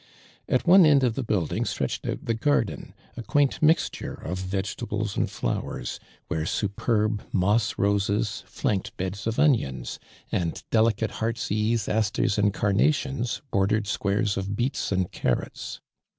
At one end of the building stretched out the garden, a quaint mixture of vegeta bles and flowers, where superb moss roses, flanked beds of onions, and delicate hearts ease, astors and carnations, borderetl squares of beets and carrots.